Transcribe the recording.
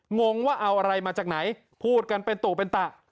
งงว่าเอาอะไรมาจากไหนพูดกันเป็นตู่เป็นตะ